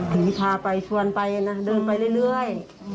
ผีพาไปชวนไปนะเดินไปเรื่อย